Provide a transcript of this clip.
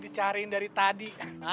dicariin dari tadi